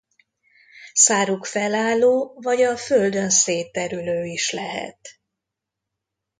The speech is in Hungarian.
Száruk felálló vagy a földön szétterülő is lehet.